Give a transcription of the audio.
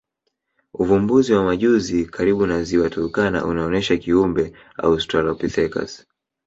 Uvumbuzi wa majuzi karibu na Ziwa Turkana unaonyesha kiumbe Australopithecus